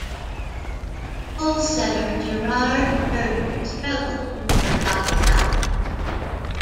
Polesetter Gerhard Berger struggled before dropping out.